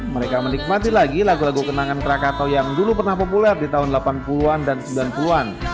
mereka menikmati lagi lagu lagu kenangan krakatau yang dulu pernah populer di tahun delapan puluh an dan sembilan puluh an